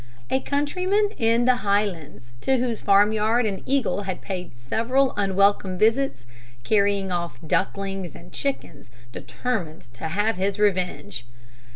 A countryman in the Highlands, to whose farmyard an eagle had paid several unwelcome visits, carrying off ducklings and chickens, determined to have his revenge.